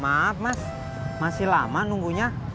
maaf mas masih lama nunggunya